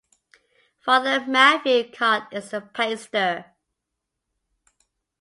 Father Matthew Codd is the pastor.